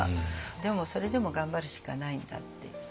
でもそれでも頑張るしかないんだっていう。